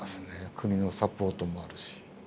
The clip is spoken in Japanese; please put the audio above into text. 国のサポートもあるし。